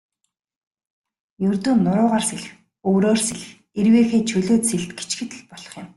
Ердөө нуруугаар сэлэх, өврөөр сэлэх, эрвээхэй, чөлөөт сэлэлт гэчихэд л болох юм.